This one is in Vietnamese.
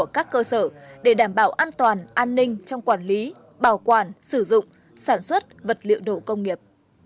các cơ sở để đảm bảo an toàn an ninh trong quản lý bảo quản sử dụng sản xuất vật liệu nổ công nghiệp